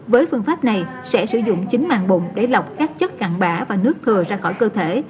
với phương pháp này sẽ sử dụng chính mạng bụng để lọc các chất cạn bạ và nước thừa ra khỏi cơ thể